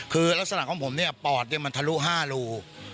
คือลักษณะของผมเนี่ยปอดมันทะลุ๕รู